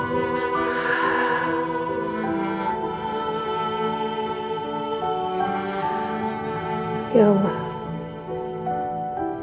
ya allah jelek up joining me